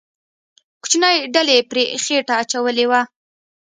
کوچنۍ ډلې پرې خېټه اچولې وه.